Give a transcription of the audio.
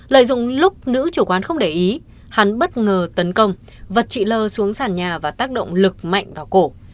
lợi dụng lúc nữ chủ quán không để ý hắn bất ngờ tấn công vật chị lơ xuống sàn nhà và tác động lực mạnh vào cổ